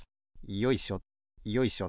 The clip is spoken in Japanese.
よいしょよいしょ。